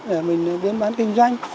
để mình buôn bán kinh doanh